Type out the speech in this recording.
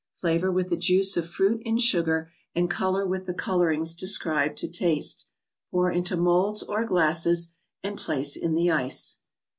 Flavor with the juice of fruit in sugar, and color with the " Colorings " de¬ scribed to taste. Pour into molds or glasses and place in the ice.